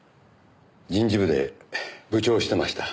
人事部で部長をしてました。